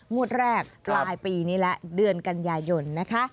งวดแรกปลายปีนี้และเดือนกันยายนนะคะ